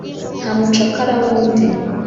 nta mucakara w’undi